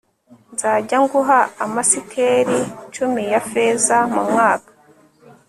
nzajya nguha amasikeli cumi ya feza mu mwaka